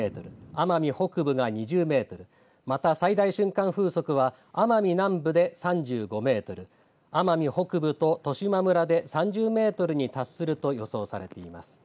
奄美北部が２０メートルまた最大瞬間風速は奄美南部で３５メートル奄美北部と十島村で３０メートルに達すると予想されています。